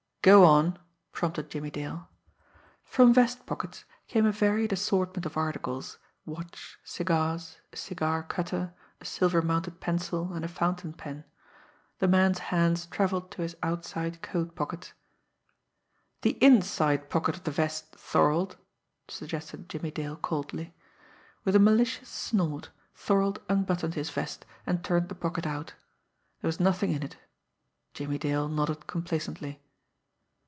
"Go on!" prompted Jimmie Dale. From vest pockets came a varied assortment of articles watch, cigars, a cigar cutter, a silver mounted pencil, and a fountain pen. The man's hands travelled to his outside coat pockets. "The inside pocket of the vest, Thorold," suggested Jimmie Dale coldly. With a malicious snort, Thorold unbuttoned his vest, and turned the pocket out. There was nothing in it. Jimmie Dale nodded complacently.